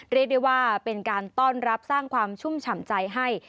เรียกได้ว่าเป็นการต้อนรับสร้างความชุ่มฉ่ำใจให้